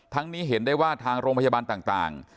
นี้เห็นได้ว่าทางโรงพยาบาลต่าง